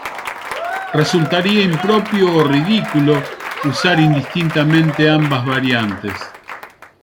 Resultaría impropio o ridículo usar indistintamente ambas variantes.